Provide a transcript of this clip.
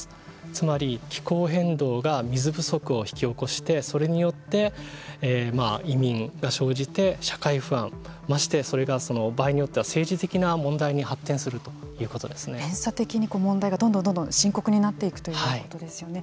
つまり気候変動が水不足を引き起こしてそれによって移民が生じて社会不安ましてそれが場合によっては政治的な問題に発展する連鎖的に問題がどんどん、どんどん深刻になっていくということですよね。